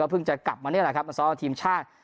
เพิ่งจะกลับมานี่แหละครับมาซ้อมกับทีมชาติ